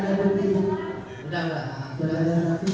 saksi di antara usaha agresif